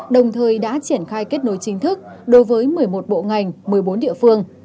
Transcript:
đồng thời đã triển khai kết nối chính thức đối với một mươi một bộ ngành một mươi bốn địa phương